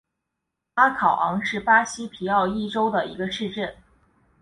阿考昂是巴西皮奥伊州的一个市镇。